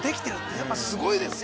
◆やっぱりすごいですよ。